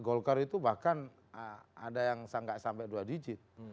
suara itu bahkan ada yang enggak sampai dua digit